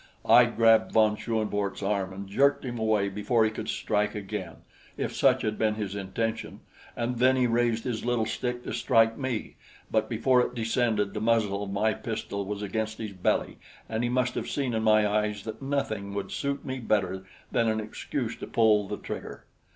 I grabbed von Schoenvorts' arm and jerked him away before he could strike again, if such had been his intention, and then he raised his little stick to strike me; but before it descended the muzzle of my pistol was against his belly and he must have seen in my eyes that nothing would suit me better than an excuse to pull the trigger.